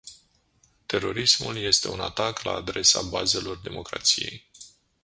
Terorismul este un atac la adresa bazelor democrației.